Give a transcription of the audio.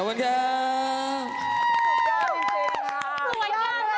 ขอบคุณด้วย